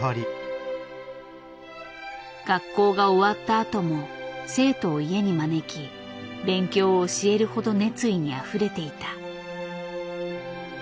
学校が終わったあとも生徒を家に招き勉強を教えるほど熱意にあふれていた。